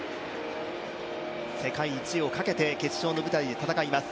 世界一をかけて決勝の舞台で戦います